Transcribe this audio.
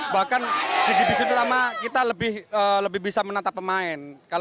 bahkan di divisi pertama kita lebih bisa menata pemain